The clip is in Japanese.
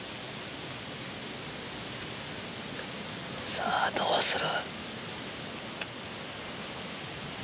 さぁどうする？